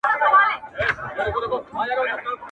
• خو شیطان یې دی په زړه کي ځای نیولی -